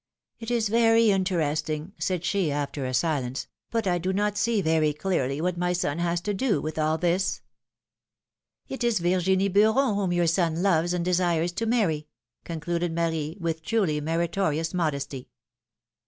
It is very interesting/^ said she, after a silence, ^^but I do not see very clearly what my son has to do with all this?^^ "It is Virginie Beuron whom your son loves and desires to marry,^^ concluded Marie, with truly meritori ous modesty.